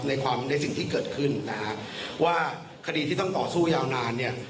ในความในสิ่งที่เกิดขึ้นนะฮะว่าคดีที่ต้องต่อสู้ยาวนานเนี่ย